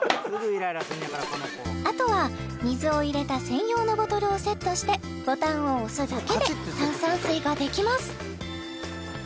あとは水を入れた専用のボトルをセットしてボタンを押すだけで炭酸水ができます